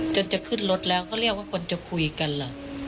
จะขึ้นรถแล้วก็เรียกว่าคนจะคุยกันเหรอ